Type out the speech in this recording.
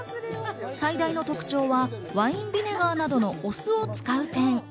最大の特徴はワインビネガーなどのお酢を使う点。